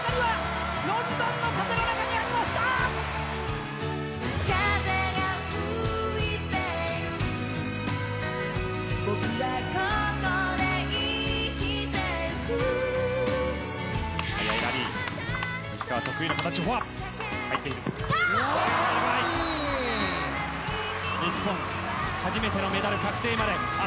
日本初めてのメダル確定まであと１点。